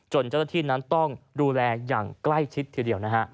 เจ้าหน้าที่นั้นต้องดูแลอย่างใกล้ชิดทีเดียวนะฮะ